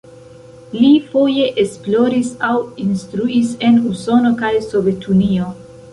Li foje esploris aŭ instruis en Usono kaj Sovetunio.